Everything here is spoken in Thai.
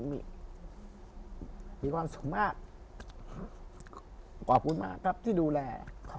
มีความสุขมากขอบคุณมากครับที่ดูแล